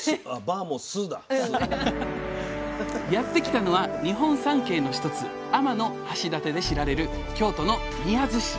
やって来たのは日本三景の一つ天橋立で知られる京都の宮津市。